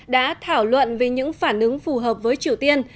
đã thảo luận về những phản ứng phù hợp với triều tiên